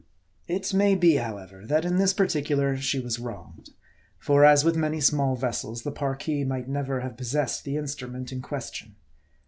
It may be, however, that in this particular she was wronged ; for, as with many small vessels, the Parki might never have possessed the instrument in question.